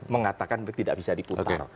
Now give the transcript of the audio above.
mengatakan tidak bisa dikutar